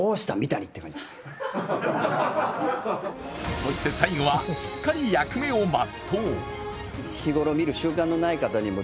そして最後はしっかり役目を全う。